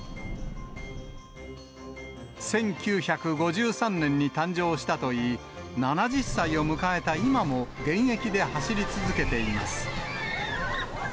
１９５３年に誕生したといい、７０歳を迎えた今も、現役で走り続けています。